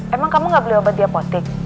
emang kamu gak beli obat diapotik